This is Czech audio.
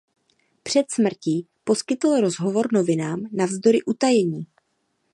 Před smrtí poskytl rozhovor novinám navzdory utajení.